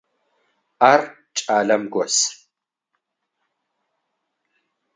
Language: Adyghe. Ар кӏалэм гос.